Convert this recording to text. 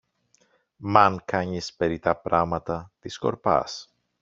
Μ' αν κάνεις περιττά πράματα, τη σκορπάς.